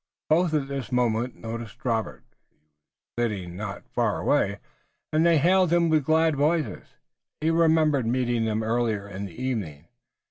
Both at this moment noticed Robert, who was sitting not far away, and they hailed him with glad voices. He remembered meeting them earlier in the evening.